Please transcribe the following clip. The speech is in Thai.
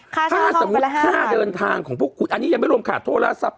ค่าช่องไปละห้าค่าสมมุติค่าเดินทางของพวกคุณอันนี้ยังไม่รวมขาดโทรศัพท์